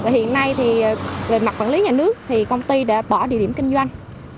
hiện nay thì về mặt quản lý nhà nước thì công ty đã bỏ địa điểm kinh doanh